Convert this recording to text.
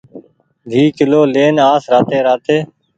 ۮي ڪلو لين آس راتي راتي